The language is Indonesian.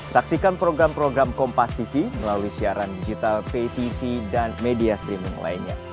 saksikan program program kompas tv melalui siaran digital pay tv dan media streaming lainnya